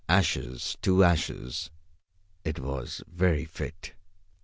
Ashes to ashes. It was very fit.